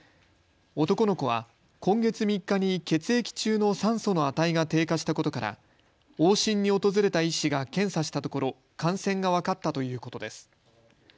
男の子は今月３日に血液中の酸素の値が低下したことから往診に訪れた医師が検査したところ、感染が分かったということです。